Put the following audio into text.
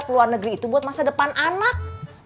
keluar negeri itu buat masa depan anak